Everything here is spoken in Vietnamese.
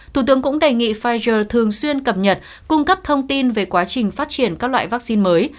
thủ tướng cũng đề nghị pfizer thường xuyên cập nhật cung cấp thông tin về quá trình phát triển các loại vaccine mới